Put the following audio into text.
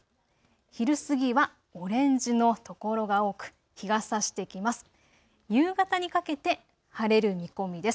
昼過ぎはオレンジの所が多く日がさしてきます。